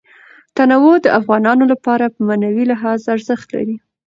تنوع د افغانانو لپاره په معنوي لحاظ ارزښت لري.